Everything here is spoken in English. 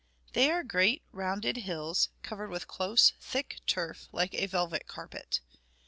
They are great rounded hills, covered with close, thick turf, like a velvet carpet.